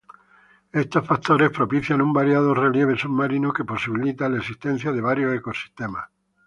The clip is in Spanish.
Estos factores propician un variado relieve submarino que posibilita la existencia de varios ecosistemas.